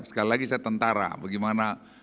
sekali lagi saya tentara bagaimana